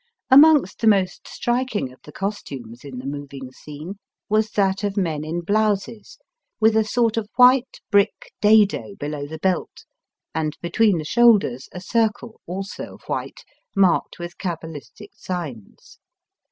Amongst the most striking of the costumes in the moving scene was that of men in blouses, with a sort of white brick dado below the belt, and between the shoulders a circle, also of white, marked with cabalistic signs.